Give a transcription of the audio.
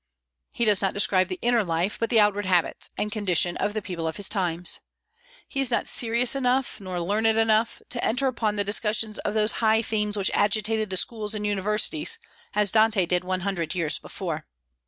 He does not describe the inner life, but the outward habits and condition of the people of his times. He is not serious enough, nor learned enough, to enter upon the discussion of those high themes which agitated the schools and universities, as Dante did one hundred years before.